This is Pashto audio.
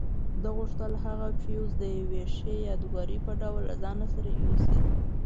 ده غوښتل هغه فیوز د یوې ښې یادګار په ډول له ځان سره یوسي.